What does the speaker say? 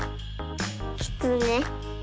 きつね。